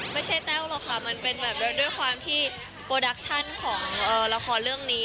แต้วหรอกค่ะมันเป็นแบบด้วยความที่โปรดักชั่นของละครเรื่องนี้